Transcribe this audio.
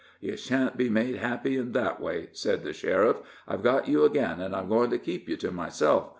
"You sha'n't be made happy in that way," said the sheriff. I've got you again, and I'm going to keep you to myself.